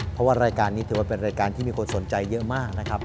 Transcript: เพราะว่ารายการนี้ถือว่าเป็นรายการที่มีคนสนใจเยอะมากนะครับ